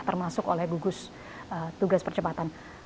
termasuk oleh gugus tugas percepatan